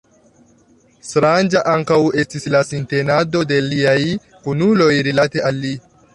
Stranga ankaŭ estis la sintenado de liaj kunuloj rilate al li.